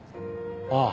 ああ。